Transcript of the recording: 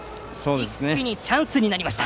一気にチャンスになりました。